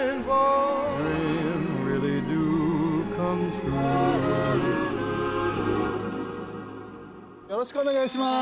さらによろしくお願いします！